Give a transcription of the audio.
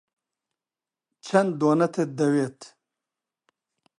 چەند دۆنەتت دەوێت؟